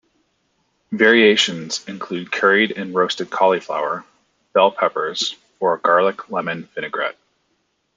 Variations include curried and roasted cauliflower, bell peppers, or a garlic lemon vinaigrette.